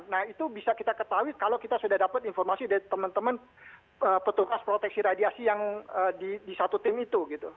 nah itu bisa kita ketahui kalau kita sudah dapat informasi dari teman teman petugas proteksi radiasi yang di satu tim itu